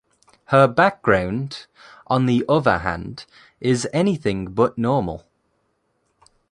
Her background, on the other hand, is anything but normal.